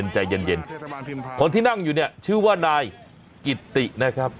ใจเย็นคนที่นั่งอยู่เนี่ยชื่อว่านายกิตตินะครับ